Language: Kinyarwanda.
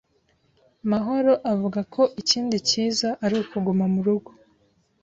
Mahoro avuga ko ikindi kiza ari ukuguma murugo